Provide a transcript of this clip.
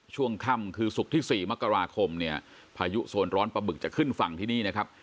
ช่วงค่ำคือศุกร์ที่๔มกราคมเนี่ยพายุโซนร้อนปลาบึกจะขึ้นฝั่งที่นี่นะครับ